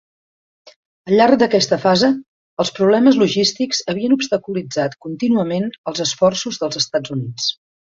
Al llarg d'aquesta fase, els problemes logístics havien obstaculitzat contínuament els esforços dels Estats Units.